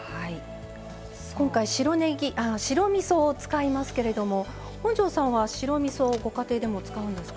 今回白みそを使いますけれども本上さんは白みそをご家庭でも使うんですか？